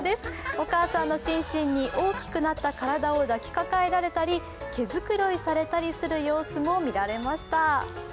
お母さんのシンシンに大きくなった体を抱きかかえられたり毛繕いされたりする様子も見られました。